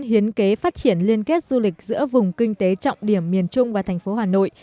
hiến kế phát triển liên kết du lịch giữa vùng kinh tế trọng điểm miền trung và thành phố hà nội